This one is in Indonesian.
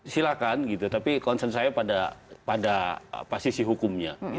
silakan tapi concern saya pada pasisi hukumnya